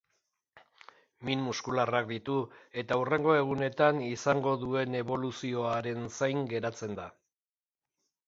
Min muskularrak ditu, eta hurrengo egunetan izango duen eboluzioaren zain geratzen da.